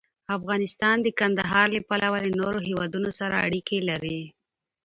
افغانستان د کندهار له پلوه له نورو هېوادونو سره اړیکې لري.